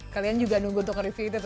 kalian juga nunggu untuk review itu